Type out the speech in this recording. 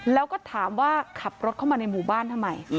แล้วก็ถามว่าขับรถเข้ามาในหมู่บ้านทำไม